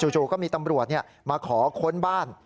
จู่ก็มีตำรวจมาขอค้นบ้าน